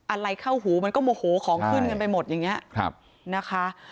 อะไรเข้าหูมันก็โมโหของขึ้นกันไปหมดอย่างนี้นะคะ